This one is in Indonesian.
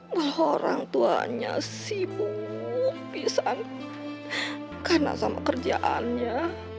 bahwa orang tuanya sibuk pisang karena sama kerjaannya